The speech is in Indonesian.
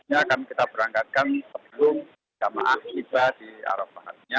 ini akan kita berangkatkan sebelum jamaah tiba di arafahnya